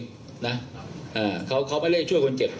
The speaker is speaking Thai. ของผู้กลับลูกฐานของเราจะไปเองใช่มั้ย